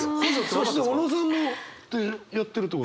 そして小野さんもってやってるってことは？